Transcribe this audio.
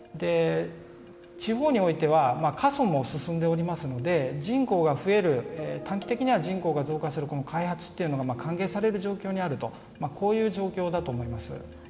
地方においては過疎も進んでおりますので人口が増える短期的には人口が増加する開発が歓迎される状況にあるとこういう状況だと思います。